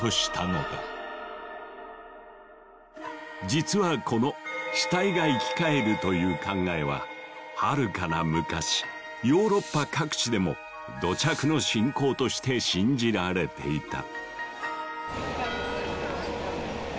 実はこの「死体が生き返る」という考えははるかな昔ヨーロッパ各地でも土着の信仰として信じられていた。